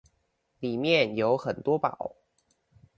裡面有很多寶